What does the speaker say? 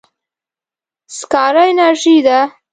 سکاره انرژي ده.